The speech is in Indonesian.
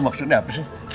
lo maksudnya apa sih